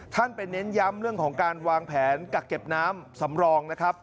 ท่านไปเน้นย้ำเรื่องของการวางแผนกักเก็บน้ำสำรองนะครับ